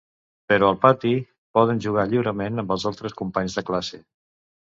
Però al pati poden jugar lliurement amb els altres companys de classe.